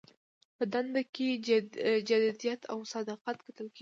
په دنده کې جدیت او صداقت کتل کیږي.